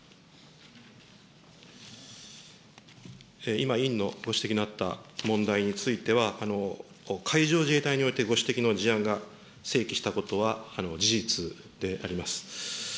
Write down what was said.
今、委員のご指摘のあった問題については、海上自衛隊においてご指摘の事案が生起したことは事実であります。